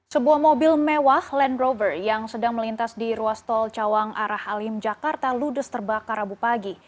sebuah mobil mewah land rover yang sedang melintas di ruas tol cawang arah halim jakarta ludes terbakar rabu pagi